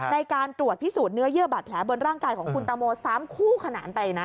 ในการตรวจพิสูจนเนื้อเยื่อบาดแผลบนร่างกายของคุณตังโม๓คู่ขนานไปนะ